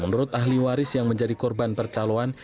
menurut ahli waris yang menjadi korban percaloan